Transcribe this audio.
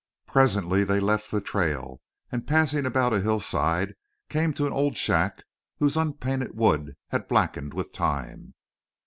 Presently they left the trail, and passing about a hillside, came to an old shack whose unpainted wood had blackened with time.